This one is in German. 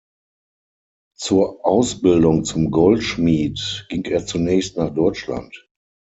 Zur Ausbildung zum Goldschmied ging er zunächst nach Deutschland.